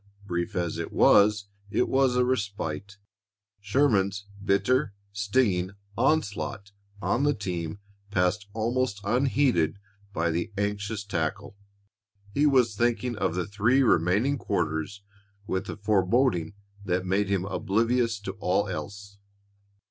Brief as it was, it was a respite. Sherman's bitter, stinging onslaught on the team passed almost unheeded by the anxious tackle. He was thinking of the three remaining quarters with a foreboding that made him oblivious to all else.